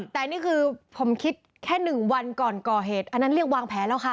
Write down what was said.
แต่นี่คือผมคิดแค่๑วันก่อนก่อเหตุอันนั้นเรียกวางแผลแล้วค่ะ